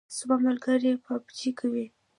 زما ملګری پابجي کوي